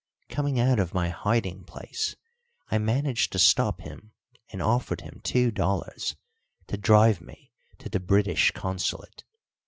Coming out of my hiding place, I managed to stop him and offered him two dollars to drive me to the British Consulate.